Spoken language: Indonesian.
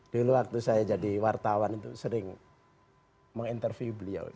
dulu waktu saya jadi wartawan itu sering menginterview beliau